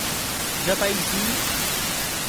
Jataizinho